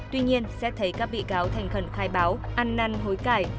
tuy nhiên xét thấy các bị cáo thành khẩn khai báo ăn năn hối cải